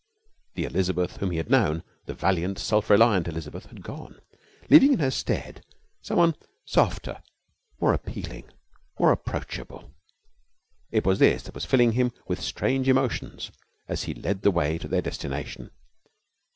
The Elizabeth whom he had known the valiant, self reliant Elizabeth had gone, leaving in her stead someone softer, more appealing, more approachable. It was this that was filling him with strange emotions as he led the way to their destination.